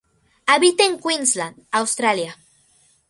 Habita en Queensland Australia.